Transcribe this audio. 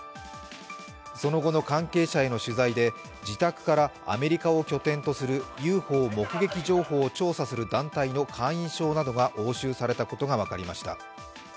その後の関係者への取材で自宅からアメリカを拠点とするＵＦＯ目撃情報を調査する団体の会員証などが押収されたことが分かりました。